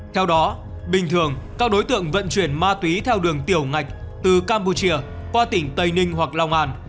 theo đó bình thường các đối tượng vận chuyển ma túy theo đường tiểu ngạch từ campuchia qua tỉnh tây ninh hoặc long an